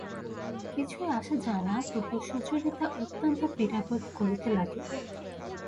কিছুই আসে যায় না, তবু সুচরিতা অত্যন্ত পীড়া বোধ করিতে লাগিল।